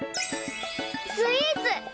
スイーツ！